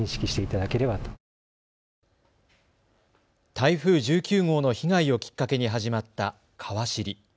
台風１９号の被害をきっかけに始まった、かわ知り。